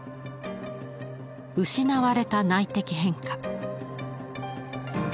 「失われた内的変化」。